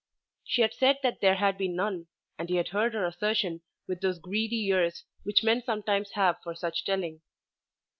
She had said that there had been none, and he had heard her assertion with those greedy ears which men sometimes have for such telling.